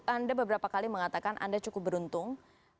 anda beberapa kali mengatakan anda cukup beruntung